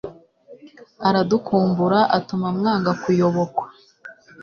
aradukumbura atuma mwanga-kuyobokwa